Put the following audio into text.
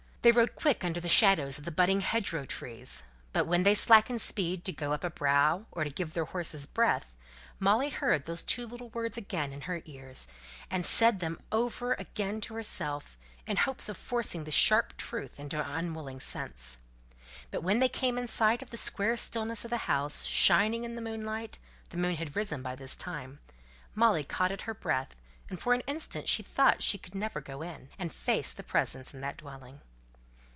They rode quick under the shadows of the hedgerow trees, but when they slackened speed, to go up a brow, or to give their horses breath, Molly heard those two little words again in her ears; and said them over again to herself, in hopes of forcing the sharp truth into her unwilling sense. But when they came in sight of the square stillness of the house, shining in the moonlight the moon had risen by this time Molly caught at her breath, and for an instant she thought she never could go in, and face the presence in that dwelling.